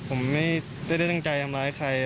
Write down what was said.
ผมไม่ได้ตั้งใจทำร้ายใคร